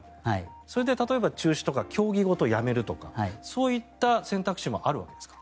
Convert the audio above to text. それで、例えば中止とか競技ごとやめるとかそういった選択肢もあるわけですか？